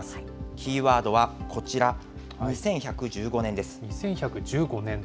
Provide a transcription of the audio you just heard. キーワードはこちら、２１１５年？